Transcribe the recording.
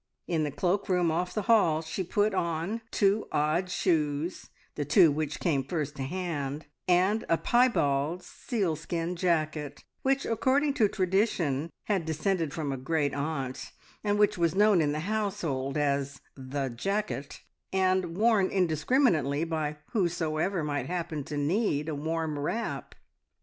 In the cloak room off the hall she put on two odd shoes, the two which came first to hand, and a piebald sealskin jacket, which, according to tradition, had descended from a great aunt, and which was known in the household as "The jacket," and worn indiscriminately by whosoever might happen to need a warm wrap.